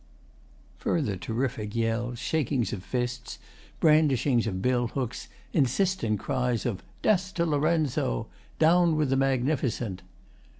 [Further terrific yells, shakings of fists, brandishings of bill hooks, insistent cries of 'Death to Lorenzo!' 'Down with the Magnificent!